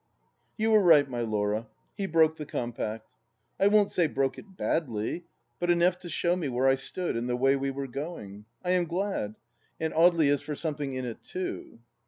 You were right, my Laura, he broke the compact. I won't say broke it badly, but enough to show me where I stood and the way we were going ... I am glad. And Audely is for something in it, too